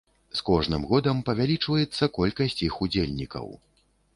З кожным годам павялічваецца колькасць іх удзельнікаў.